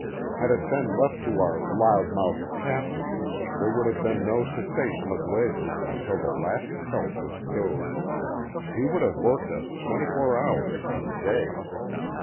Had it been left to our loud mouthed captain there would have been no cessation of labor until the last pelt was stowed; he would have worked us twenty four hours to the day.